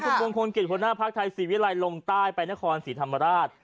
คุณคงคงกิจพนธาภาคไทยสิวิรายลงใต้ไปนครสิธรรมราช